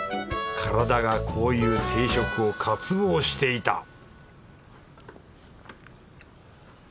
体がこういう定食を渇望していた！